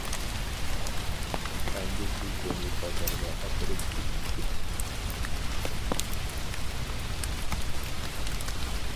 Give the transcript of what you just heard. ئەمدى سىز بۇنى بازارغا ئاپىرىپ سېتىپ كېلىڭ.